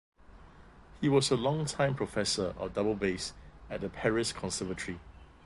He was a longtime professor of double bass at the Paris Conservatory.